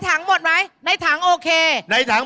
เวลาดีเล่นหน่อยเล่นหน่อย